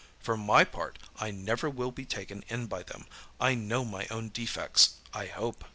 For my part I never will be taken in by them. I know my own defects, I hope.